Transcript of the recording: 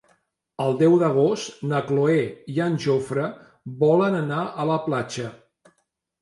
El deu d'agost na Cloè i en Jofre volen anar a la platja.